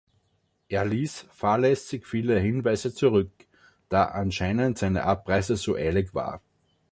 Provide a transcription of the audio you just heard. Er ließ fahrlässig viele Hinweise zurück, da Anscheinend seine Abreise so eilig war.